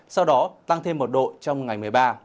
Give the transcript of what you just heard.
sau đó tăng thêm một độ trong ngày một mươi ba